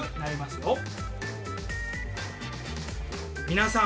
皆さん